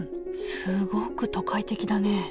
すごく都会的だね。